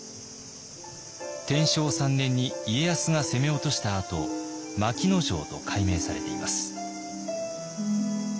天正３年に家康が攻め落としたあと牧野城と改名されています。